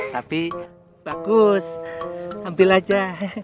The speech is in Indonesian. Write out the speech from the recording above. tapi bagus ambil aja